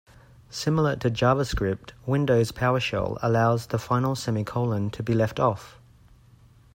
Similar to JavaScript, Windows PowerShell allows the final semicolon to be left off.